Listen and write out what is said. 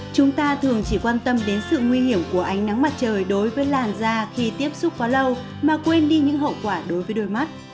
chúng ta thường chỉ quan tâm đến sự nguy hiểm của ánh nắng mặt trời đối với làn da khi tiếp xúc quá lâu mà quên đi những hậu quả đối với đôi mắt